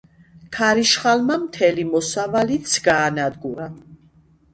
ქარიშხალმა მთელი მოსავალიც გაანადგურა.